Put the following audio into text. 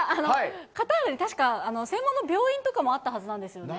カタール、確か専門の病院とかもあったはずなんですよね。